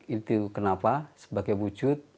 itu kenapa sebagai wujud